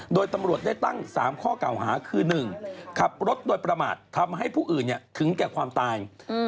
โดยตำรวจได้ตั้ง๓ข้อเก่าหาคือ๑ขับรถโดยประมาททำให้ผู้อื่นถึงแก่ความตาย